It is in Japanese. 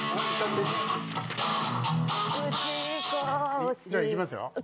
撃ちじゃあ行きますよ。